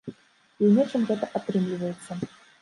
І ў нечым гэта атрымліваецца.